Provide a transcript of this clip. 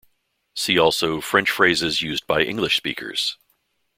See also French phrases used by English speakers.